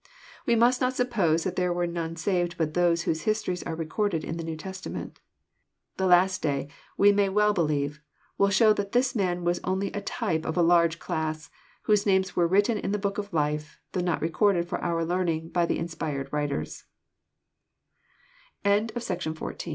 We must not suppose that there were none saved but those whose histories are recorded in the New Testament. The last day, we may well believe, will show that this man was only a type of a large class, whose names were written in the \ Book of life, though not recorded for our learning by the in*